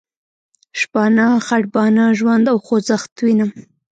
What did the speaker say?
شپانه، خټبانه، ژوند او خوځښت وینم.